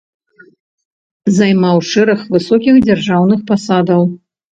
Займаў шэраг высокіх дзяржаўных пасадаў.